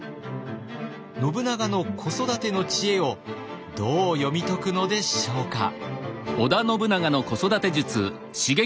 信長の子育ての知恵をどう読み解くのでしょうか。